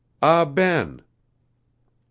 "Ah Ben." Mr.